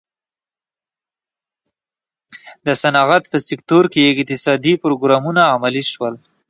د صنعت په سکتور کې اقتصادي پروګرامونه عملي شول.